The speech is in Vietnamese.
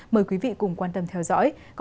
mời quý vị cùng quan tâm theo dõi